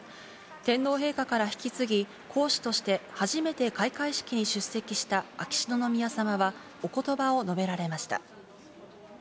天皇陛下から引き継ぎ、皇嗣として初めて開会式に出席した秋篠宮さまはおことばを述べられました。